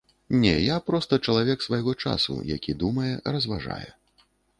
Не, я проста чалавек свайго часу, які думае, разважае.